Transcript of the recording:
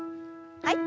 はい。